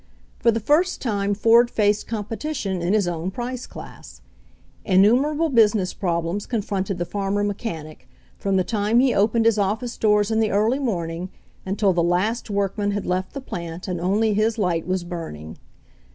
For the first time Ford faced competition in his own price class. In numerable business problems confronted the farmer mechanic, from the time he opened his office doors in the early rhorning until the last workman had left the plant and only his light was burning.